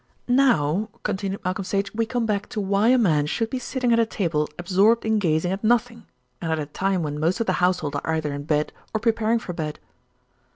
"Now," continued Malcolm Sage, "we come back to why a man should be sitting at a table absorbed in gazing at nothing, and at a time when most of the household are either in bed or preparing for bed."